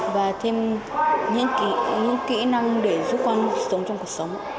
và thêm những kỹ năng để giúp con sống trong cuộc sống